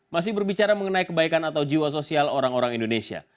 masih berbicara mengenai kebaikan atau jiwa sosial orang orang indonesia